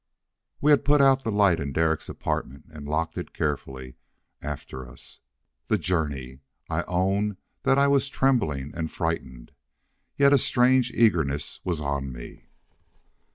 We had put out the light in Derek's apartment and locked it carefully after us. This journey! I own that I was trembling, and frightened. Yet a strange eagerness was on me.